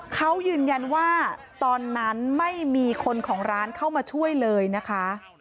เขายืนยันว่าตอนนั้นไม่มีคนของร้านเข้ามาช่วยเลยนะคะ